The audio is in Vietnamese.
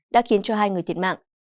đã khiến cho hai người thiệt mạng